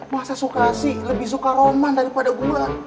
masa sukasi lebih suka roman daripada gue